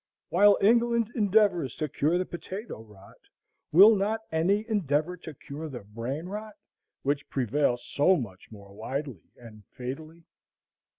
While England endeavors to cure the potato rot, will not any endeavor to cure the brain rot, which prevails so much more widely and fatally?